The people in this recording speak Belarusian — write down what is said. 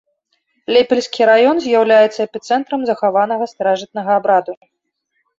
Лепельскі раён з'яўляецца эпіцэнтрам захаванага старажытнага абраду.